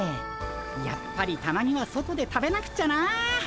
やっぱりたまには外で食べなくちゃな。